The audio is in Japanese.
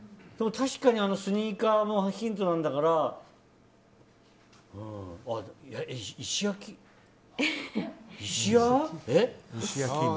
確かにあのスニーカーもヒントなんだから石焼き？